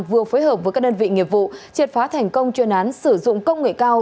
vừa phối hợp với các đơn vị nghiệp vụ triệt phá thành công chuyên án sử dụng công nghệ cao